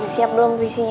siap belum puisinya